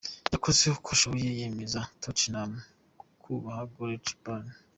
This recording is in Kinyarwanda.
yakoze uko ishoboye yemeza Tottеnhаm kubaha Gаrеth Ваlе.